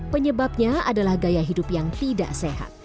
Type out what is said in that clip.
penyebabnya adalah gaya hidup yang tidak sehat